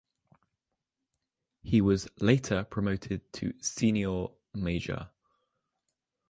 He was later promoted to "seniore" (Major).